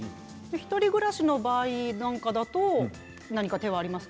１人暮らしの場合だと何か手はありますか？